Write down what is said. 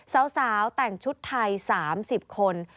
สาวแต่งชุดไทย๓๐คน